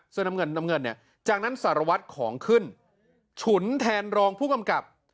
น้ำเงินน้ำเงินเนี่ยจากนั้นสารวัตรของขึ้นฉุนแทนรองผู้กำกับ